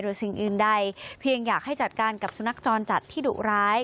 สิ่งอื่นใดเพียงอยากให้จัดการกับสุนัขจรจัดที่ดุร้าย